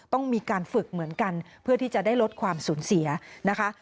ต้องมีการฝึกเหมือนกันเพื่อที่จะได้ลดความสูญเสียนะคะ